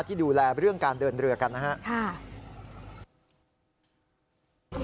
ที่ดูแลเรื่องการเดินเรือกันนะครับ